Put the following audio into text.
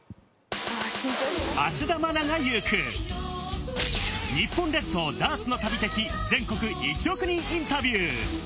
芦田愛菜が行く、日本列島ダーツの旅的全国１億人インタビュー。